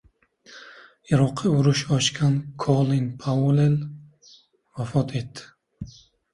Iroqqa urush ochgan Kolin Pauell vafot etdi